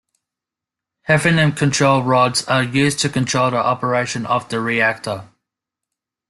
Hafnium Control rods are used to control the operation of the reactor.